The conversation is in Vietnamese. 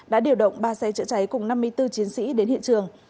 đã điều động ba xe chữa cháy cùng năm mươi bốn chiến sĩ đến hiện trường